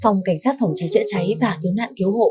phòng cảnh sát phòng cháy chữa cháy và cứu nạn cứu hộ